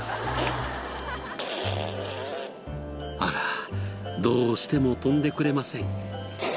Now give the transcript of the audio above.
あらどうしても飛んでくれません。